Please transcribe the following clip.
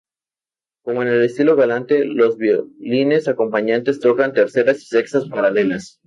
Como en el estilo galante, los violines acompañantes tocan terceras y sextas paralelas.